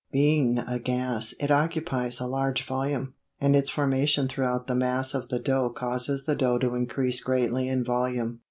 Being a gas it occupies a large volume, and its formation throughout the mass of the dough causes the dough to increase greatly in volume.